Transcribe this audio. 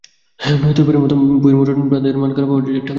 নয়তো এবারের মতো বইয়ের মুদ্রণ-বাঁধাইয়ের মান খারাপ হওয়া ঠেকানো যাবে না।